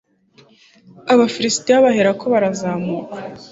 abafilisiti baherako barazamuka